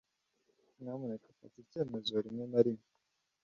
Nyamuneka fata icyemezo rimwe na rimwe.